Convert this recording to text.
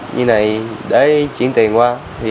như này để chuyển tiền qua